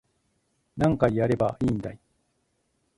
何回やればいいんだい